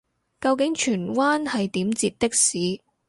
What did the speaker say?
究竟荃灣係點截的士